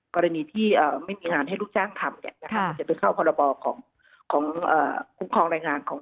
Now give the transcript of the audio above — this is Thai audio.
กรณีที่ไม่มีงานให้ลูกจ้างทำจะไปเข้าประบอบของคุมคลองแรงงาน